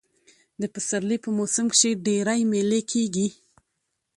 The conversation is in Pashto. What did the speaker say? د پسرلي په موسم کښي ډېرئ مېلې کېږي.